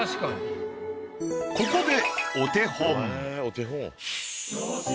ここで。